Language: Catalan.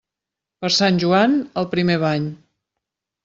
Per sant Joan, el primer bany.